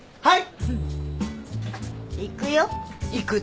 はい。